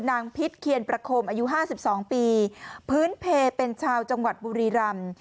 พิษเคียนประคมอายุ๕๒ปีพื้นเพลเป็นชาวจังหวัดบุรีรำ